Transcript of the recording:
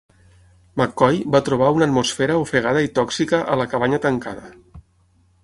McCoy va trobar una atmosfera ofegada i tòxica a la cabanya tancada.